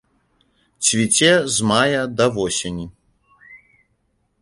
Цвіце з мая да восені.